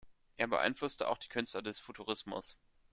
Er beeinflusste auch die Künstler des Futurismus.